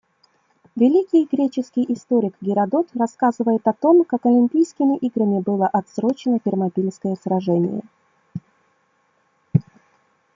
Великий греческий историк Геродот рассказывает о том, как Олимпийскими играми было отсрочено Фермопильское сражение.